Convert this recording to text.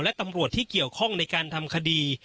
และตำรวจที่เกี่ยวข้องในการทำคดี